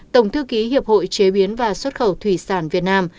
tổng thư ký hiệp hội chế biến và xuất khẩu thủy sản việt nam